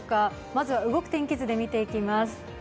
まずは動く天気図で見ていきます。